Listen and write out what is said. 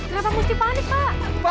kenapa mesti panik pak